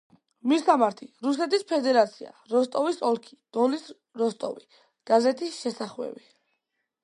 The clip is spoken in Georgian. მისამართი: რუსეთის ფედერაცია, როსტოვის ოლქი დონის როსტოვი, გაზეთის შესახვევი.